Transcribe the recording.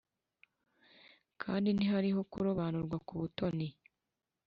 kandi ntihariho kurobanurwa ku butoni.